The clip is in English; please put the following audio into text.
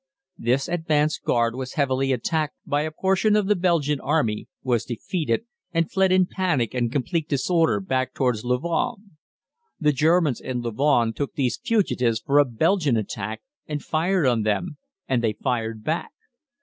This advance guard was heavily attacked by a portion of the Belgian army, was defeated, and fled in panic and complete disorder back towards Louvain. The Germans in Louvain took these fugitives for a Belgian attack and fired on them, and they fired back.